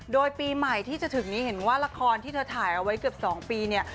โดยปีใหม่ที่จะถึงนี้เห็นว่าละครที่เธอถ่ายเอาไว้เกือบ๒ปีเนี่ย